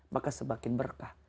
maka semakin berkah